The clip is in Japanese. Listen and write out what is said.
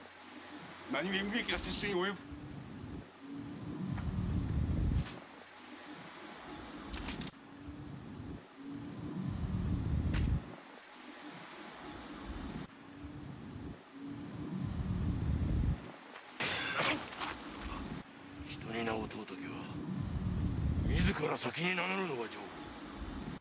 何故無益な殺生に及ぶ⁉人に名を問うときは自ら先に名乗るのが定法。